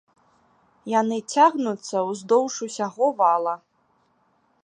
Яны цягнуцца ўздоўж усяго вала.